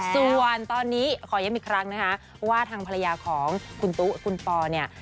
ส่วนตอนนี้ขอย้ำอีกครั้งนะคะว่าทางภรรยาของคุณตุ๊คุณปอเนี่ย